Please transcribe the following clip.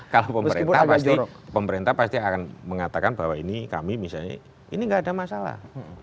kalau pemerintah pasti akan mengatakan bahwa ini kami misalnya ini gak ada masalah